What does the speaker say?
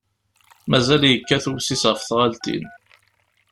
Mazal yekkat websis ɣef tɣaltin.